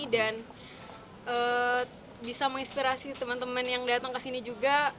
dan bisa menginspirasi teman teman yang datang ke sini juga